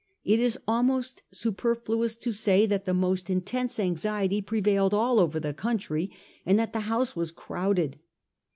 It is almost superfluous to say that the most intense anxiety prevailed all over the country, and that the House was crowded.